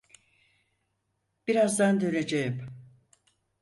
Birazdan döneceğim.